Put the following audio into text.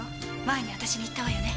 前に私に言ったわよね。